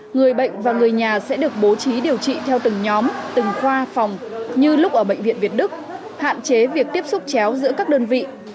người bệnh và người nhà sẽ được bố trí điều trị theo từng nhóm từng khoa phòng như lúc ở bệnh viện việt đức hạn chế việc tiếp xúc chéo giữa các đơn vị